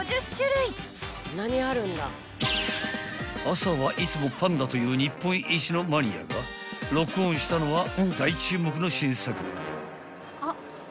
［朝はいつもパンだという日本一のマニアがロックオンしたのは大注目の新作］